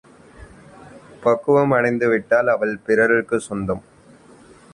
பக்குவமடைநது விட்டால், அவள் பிறருக்குச் சொந்தம்.